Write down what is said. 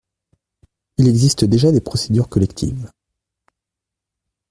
Il existe déjà des procédures collectives.